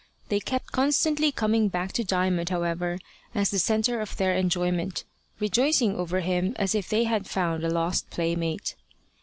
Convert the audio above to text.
They kept constantly coming back to Diamond, however, as the centre of their enjoyment, rejoicing over him as if they had found a lost playmate.